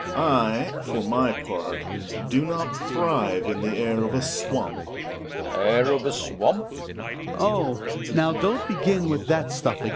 I, for m y part, do not thrive in the air of a swamp. J Relling. Air of a swamp ? Hjalmar. Oh ! now don't begin with that stuff again!